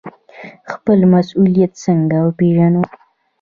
خپل مسوولیت څنګه وپیژنو؟